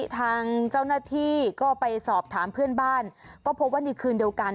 ทางเจ้าหน้าที่ก็ไปสอบถามเพื่อนบ้านก็พบว่าในคืนเดียวกัน